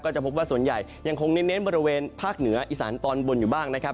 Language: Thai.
จะพบว่าส่วนใหญ่ยังคงเน้นบริเวณภาคเหนืออีสานตอนบนอยู่บ้างนะครับ